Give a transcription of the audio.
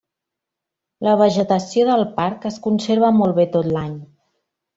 La vegetació del parc es conserva molt bé tot l'any.